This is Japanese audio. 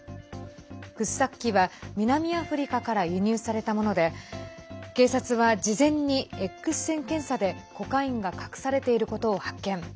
掘削機は南アフリカから輸入されたもので警察は事前にＸ線検査でコカインが隠されていることを発見。